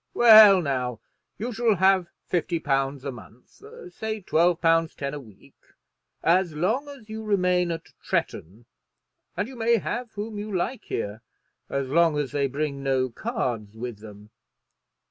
Well, now you shall have fifty pounds a month, say twelve pounds ten a week, as long as you remain at Tretton, and you may have whom you like here, as long as they bring no cards with them.